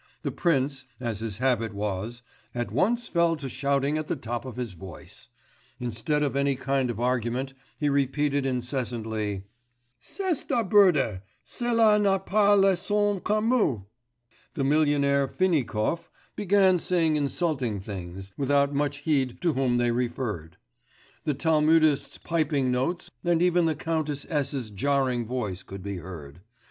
The prince, as his habit was, at once fell to shouting at the top of his voice; instead of any kind of argument he repeated incessantly: 'C'est absurde! cela n'a pas le sens commun!' The millionaire Finikov began saying insulting things, without much heed to whom they referred; the Talmudist's piping notes and even the Countess S.'s jarring voice could be heard....